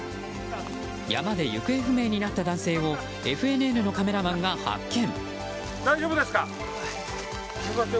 山で行方不明になった男性をＦＮＮのカメラマンが発見。